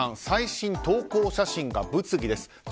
最新投稿写真が物議です。